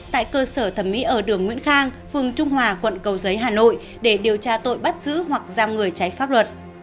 tại cơ sở thẩm mỹ ở đường nguyễn khang phường trung hòa quận cầu giấy hà nội để điều tra tội bắt giữ hoặc giam người trái pháp luật